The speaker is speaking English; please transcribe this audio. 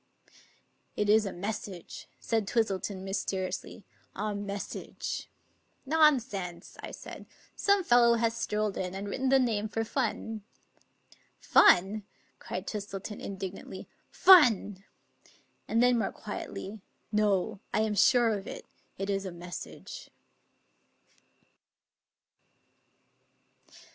"It is a message," said Twistleton mysteriously; "a message!" " Nonsense! " I said. " Some fellow has strolled in, and written the name for fun." "Fun!" cried Twistleton indignantly. "Fun!" And then more quietly: " No, I am sure of it; it is a message."